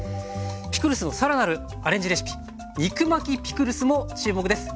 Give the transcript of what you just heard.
ピクルスの更なるアレンジレシピ肉巻きピクルスも注目です。